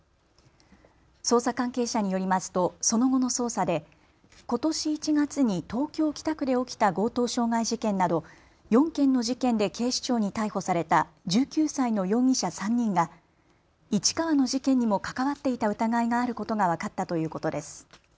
捜査関係者によりますとその後の捜査でことし１月に東京北区で起きた強盗傷害事件など４件の事件で警視庁に逮捕された１９歳の容疑者３人が市川の事件にも関わっていた疑いがあることが分かったということです。